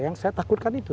yang saya takutkan itu